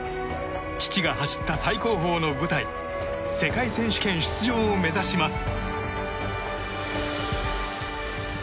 父が走った最高峰の舞台世界選手権出場を目指します。